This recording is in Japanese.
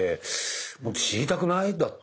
もっと知りたくない？だって。